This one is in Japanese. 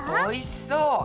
おいしそう。